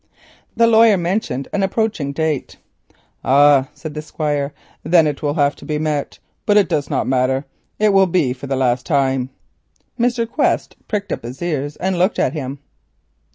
The lawyer mentioned a certain date. "Ah," said the Squire, "then it will have to be met; but it does not matter, it will be for the last time." Mr. Quest pricked up his ears and looked at him.